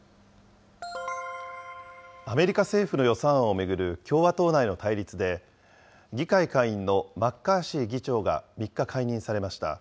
アメリカ政府の予算案を巡る共和党内の対立で、議会下院のマッカーシー議長が３日、解任されました。